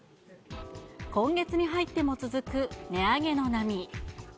今月に入っても続く、値上げの波。